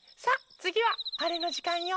つぎはあれのじかんよ！